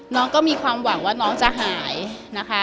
น้องก็มีความหวังว่าน้องจะหายนะคะ